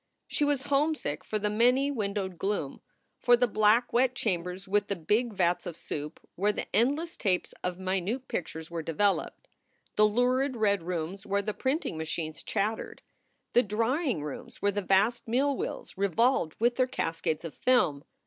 She was homesick for the many windowed gloom ; for the black wet chambers with the big vats of "soup" where the endless tapes of minute pictures w T ere developed; the lurid red rooms where the printing machines chattered; the drying rooms where the vast mill wheels revolved with their cascades of film.